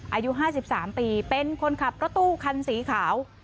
อายุ๕๓ปีเป็นคนขับรถตู้คันสีขาว